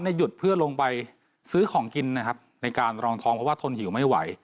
หยุดเพื่อลงไปซื้อของกินนะครับในการรองท้องเพราะว่าทนหิวไม่ไหว